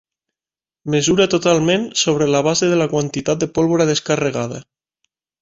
Mesura totalment sobre la base de la quantitat de pólvora descarregada.